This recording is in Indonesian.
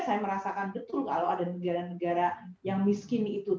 saya merasakan betul kalau ada negara negara yang miskin itu